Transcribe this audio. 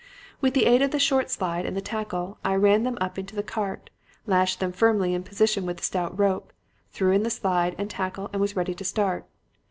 With the aid of the short slide and the tackle, I ran them up into the cart, lashed them firmly in position with the stout rope, threw in the slide and tackle and was ready to start.